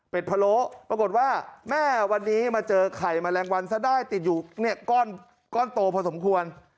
เป็นพะโล้ปรากฏว่าแม่วันนี้มาเจอไข่แมลงวันซะได้ติดอยู่เนี่ยก้อนโตพอสมควร